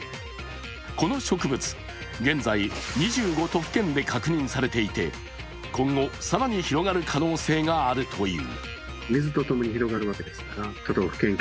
この植物、現在２５都府県で確認されていて今後更に広がる可能性があるという。